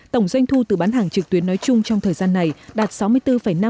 tổng doanh thu từ bán hàng trực tuyến nói chung trong thời gian này đạt sáu mươi bốn năm